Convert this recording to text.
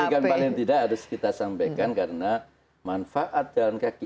tapi kan paling tidak harus kita sampaikan karena manfaat jalan kaki